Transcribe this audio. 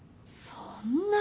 そんな。